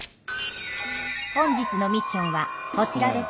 本日のミッションはこちらです。